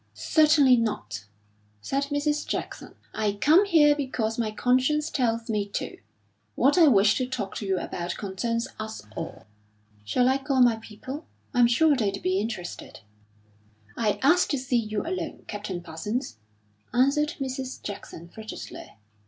"Certainly not!" said Mrs. Jackson. "I come here because my conscience tells me to. What I wish to talk to you about concerns us all." "Shall I call my people? I'm sure they'd be interested." "I asked to see you alone, Captain Parsons," answered Mrs. Jackson, frigidly.